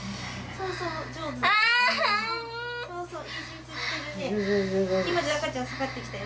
そうそう今赤ちゃん下がってきたよ